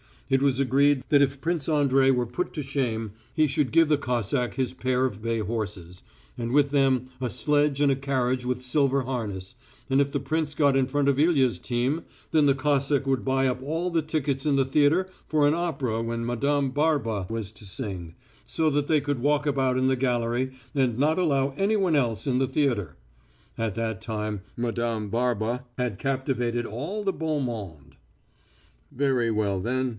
It was agreed that if Prince Andrey were put to shame he should give the Cossack his pair of bay horses, and with them a sledge and a carriage with silver harness, and if the prince got in front of Ilya's team, then the Cossack would buy up all the tickets in the theatre for an opera when Madame Barba was to sing, so that they could walk about in the gallery and not allow anyone else in the theatre. At that time Madame Barba had captivated all the beau monde. Very well, then.